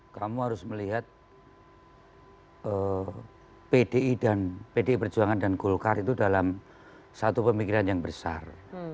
kamu harus melihat pdi perjuangan dan golkar itu dalam satu pemikiran yang besar